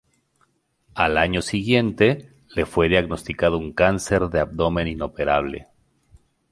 Al año siguiente, le fue diagnosticado un cáncer de abdomen inoperable.